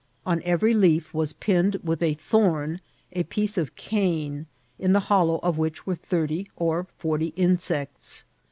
On every leaf was pinned with a thorn a piece of cane, in the hollow of which were thirty or forty insects.